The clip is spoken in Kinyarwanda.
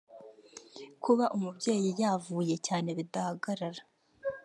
kuba umubyeyi yavuye cyane bidahagarara